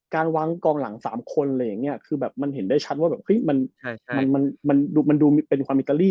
การวางกองหลัง๓คนมันเห็นได้ชัดว่ามันดูเป็นความอิตาลี